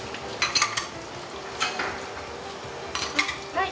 はい。